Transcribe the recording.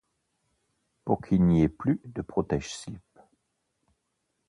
Pour qu’il n’y ait plus de protège-slip.